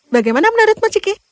bagaimana menurutmu ciki